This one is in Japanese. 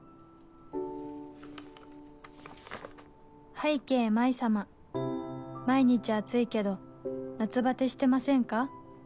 「拝啓麻依様」「毎日暑いけど夏バテしてませんか？」